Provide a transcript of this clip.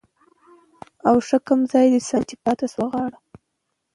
ـ اوښه کوم ځاى د سم دى ،چې پاتې شوه غاړه؟؟